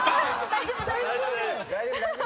大丈夫大丈夫。